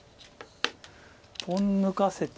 ポン抜かせて。